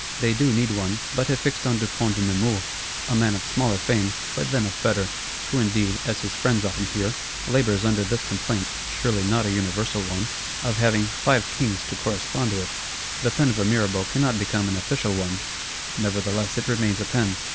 They do need one; but have fixed on Dupont de Nemours; a man of smaller fame, but then of better;—who indeed, as his friends often hear, labours under this complaint, surely not a universal one, of having "five kings to correspond with." The pen of a Mirabeau cannot become an official one; nevertheless it remains a pen.